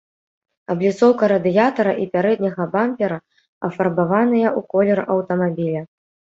Абліцоўка радыятара і пярэдняга бампера афарбаваныя ў колер аўтамабіля.